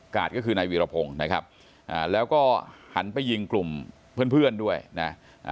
กาดก็คือในวิรพงศ์นะครับแล้วก็หันไปยิงกลุ่มเพื่อนด้วยนะ